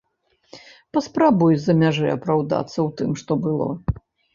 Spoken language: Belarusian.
Паспрабуй з-за мяжы апраўдацца ў тым, што было!